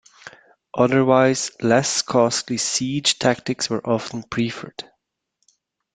Otherwise, less costly siege tactics were often preferred.